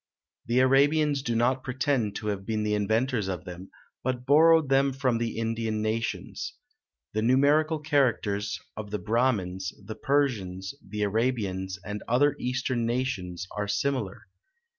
The Arabians do not pretend to have been the inventors of them, but borrowed them from the Indian nations. The numeral characters of the Bramins, the Persians, the Arabians, and other eastern nations, are similar.